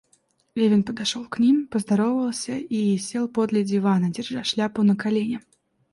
Левин подошел к ним, поздоровался и сел подле дивана, держа шляпу на колене.